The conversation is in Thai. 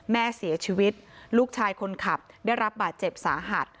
แม่เสียชีวิตลูกชายคนขับได้รับบาดเจ็บสาหัส